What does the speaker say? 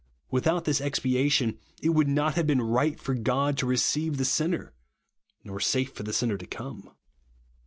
Without this expiation, it would not have been right for God to receive the sinner, nor safe for the sinner to come.